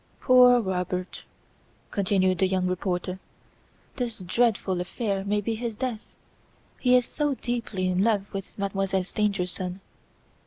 "Poor Robert!" continued the young reporter, "this dreadful affair may be his death, he is so deeply in love with Mademoiselle Stangerson."